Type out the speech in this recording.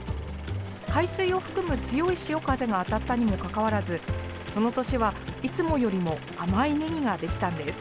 海水を含む強い潮風が当たったにもかかわらずその年はいつもよりも甘いねぎができたんです。